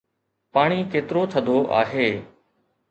پاڻي ڪيترو ٿڌو آهي؟